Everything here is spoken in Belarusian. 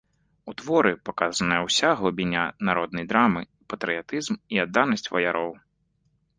У творы паказаная ўся глыбіня народнай драмы, патрыятызм і адданасць ваяроў.